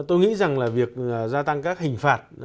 tôi nghĩ rằng là việc gia tăng các hình phạt